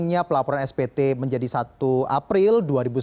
akhirnya pelaporan spt menjadi satu april dua ribu sembilan belas